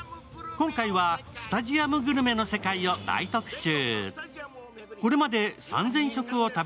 今回はスタジアムグルメの世界を大特集。